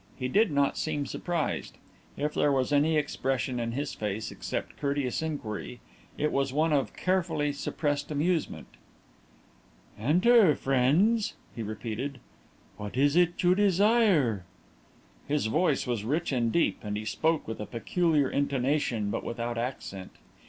He did not seem surprised. If there was any expression in his face except courteous inquiry, it was one of carefully suppressed amusement. "Enter, friends," he repeated. "What is it you desire?" His voice was rich and deep, and he spoke with a peculiar intonation, but without accent.